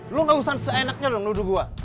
eh lo gak usah seenaknya dong nuduh gue